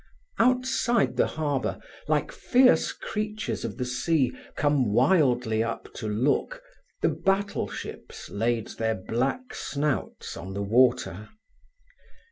Outside the harbour, like fierce creatures of the sea come wildly up to look, the battleships laid their black snouts on the water.